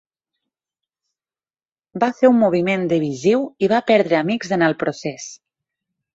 Va fer un moviment divisiu i va perdre amics en el procés.